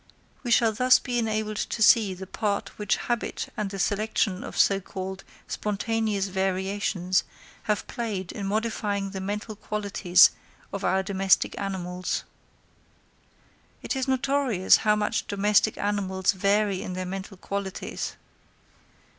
We shall thus be enabled to see the part which habit and the selection of so called spontaneous variations have played in modifying the mental qualities of our domestic animals. It is notorious how much domestic animals vary in their mental qualities.